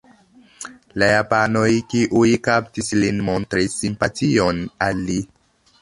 La japanoj kiuj kaptis lin montris simpation al li.